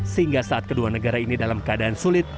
sehingga saat kedua negara ini dalam keadaan sulit